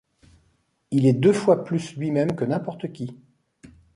Il est deux fois plus lui-même que n’importe qui.